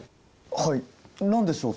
はい何でしょう？